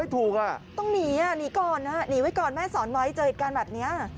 ถูกอ่ะต้องหนีอ่ะหนีก่อนนะหนีไว้ก่อนแม่สอนไว้เจอเหตุการณ์แบบนี้